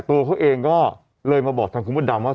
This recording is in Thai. ตัวเขาเองก็เลยมาบอกทางคุณมดดำว่า